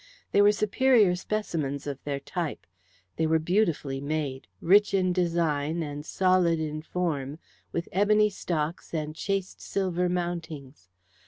They were superior specimens of their type. They were beautifully made, rich in design and solid in form, with ebony stocks and chased silver mountings.